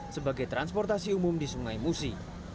sebagai transportasi umum di sungai musi